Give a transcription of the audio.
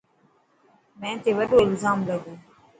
مين تي وڏو الزام لڳو.